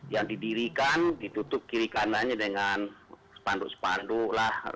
yang didirikan ditutup kiri kanannya dengan spanduk spanduk lah